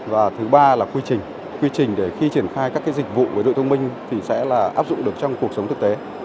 và thứ ba là quy trình quy trình để khi triển khai các dịch vụ với đội thông minh thì sẽ là áp dụng được trong cuộc sống thực tế